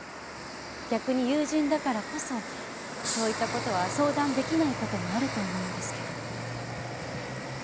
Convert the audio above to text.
逆に友人だからこそそういった事は相談出来ない事もあると思うんですけど。